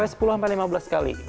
sampai sepuluh lima belas kali